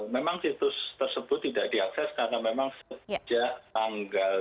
memang situs tersebut tidak diakses karena memang sejak tanggal dua puluh satu